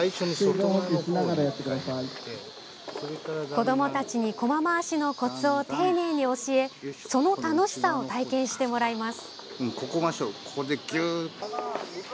子どもたちにこま回しのコツを丁寧に教えその楽しさを体験してもらいます。